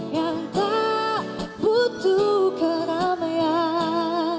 yang tak butuh keramaian